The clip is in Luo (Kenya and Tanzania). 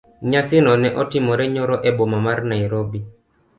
Nyasi no ne otimore nyoro e boma ma Nairobi.